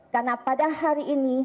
karena pada hari ini